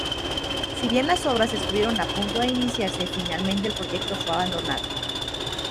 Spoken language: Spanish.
Si bien las obras estuvieron a punto de iniciarse, finalmente el proyecto fue abandonado.